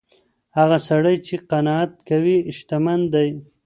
هغه سړی چي قناعت کوي شتمن دی.